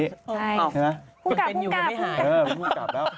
เหมือนเป็นอยู่หรือไม่หาย